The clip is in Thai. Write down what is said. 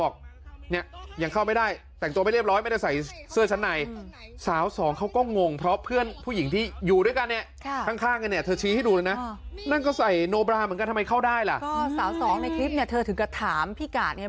สาวสองในคลิปเนี่ยเธอถึงกับถามพี่กาดไง